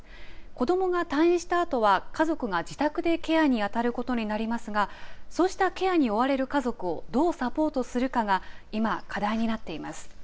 子どもが退院したあとは家族が自宅でケアに当たることになりますがそうしたケアに追われる家族をどうサポートするかが今、課題になっています。